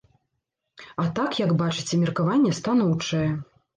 А так, як бачыце, меркаванне станоўчае.